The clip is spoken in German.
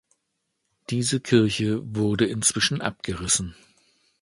Diese Kirche wurde inzwischen abgerissen.